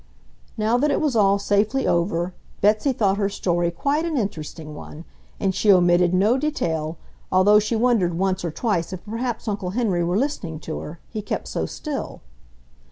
Now that it was all safely over, Betsy thought her story quite an interesting one, and she omitted no detail, although she wondered once or twice if perhaps Uncle Henry were listening to her, he kept so still.